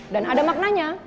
dan ada maknanya